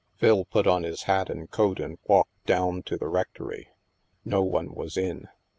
Phil put on his hat and coat and walked down to the rectory. No one was in.